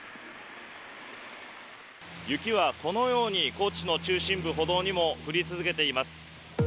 雪はこのように、高知の中心部、歩道にも降り続けています。